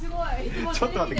ちょっと待って。